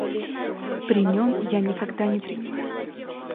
При нем я никогда не принимаю.